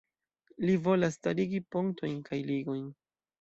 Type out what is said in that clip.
Li volas starigi pontojn kaj ligojn.